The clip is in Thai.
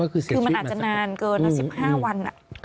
คือมันอาจจะนานเกิน๑๕วัน